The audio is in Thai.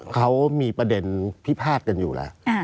เขามีประเด็นพิพาทกันอยู่แล้ว